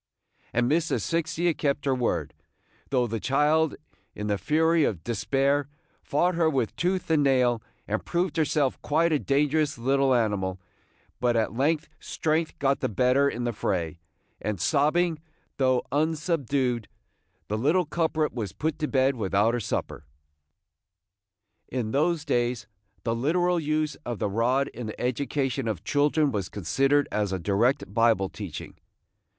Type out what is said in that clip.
And Miss Asphyxia kept her word, though the child, in the fury of despair, fought her with tooth and nail, and proved herself quite a dangerous little animal; but at length strength got the better in the fray, and, sobbing, though unsubdued, the little culprit was put to bed without her supper. In those days the literal use of the rod in the education of children was considered as a direct Bible teaching.